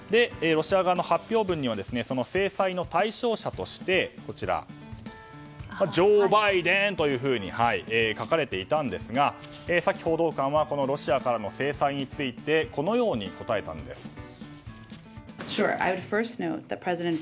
ロシア側の発表文には制裁の対象者としてジョー・バイデンと書かれていたんですがサキ報道官はこのロシアからの制裁についてこのように答えたんです。